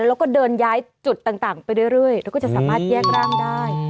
แล้วก็เดินย้ายจุดต่างไปเรื่อยแล้วก็จะสามารถแยกร่างได้